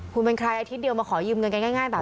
คุณเป็นใครอาทิตย์เดียวมาขอยืมเงินง่ายแบบนี้ไม่ง่าย